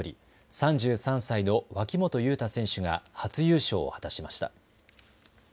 ３３歳の脇本雄太選手が初優勝を果たしました。